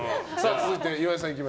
続いて、岩井さん。